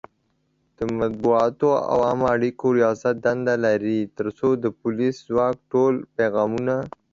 د مطبوعاتو او عامه اړیکو ریاست دنده لري ترڅو د پولیسي ځواک ټول پیغامونه